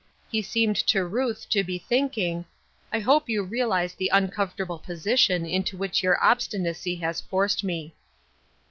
He seemed to Ruth to be thinking, " I hope you realize the uncomfortable position into which your obsti nacy has forced me."